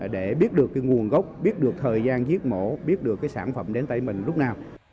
để biết được cái nguồn gốc biết được thời gian giết mổ biết được cái sản phẩm đến tay mình lúc nào